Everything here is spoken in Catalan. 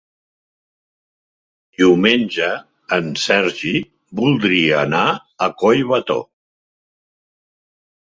Diumenge en Sergi voldria anar a Collbató.